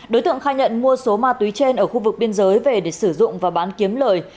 đối tượng khai nhận mua số ma túy trên ở khu vực biên giới về để sử dụng và bán kiếm lời